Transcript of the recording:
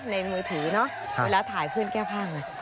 ในมือถือเนอะเวลาถ่ายเพื่อนแก้ผ้าไง